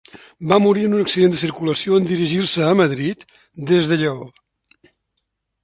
Va morir en un accident de circulació en dirigir-se a Madrid des de Lleó.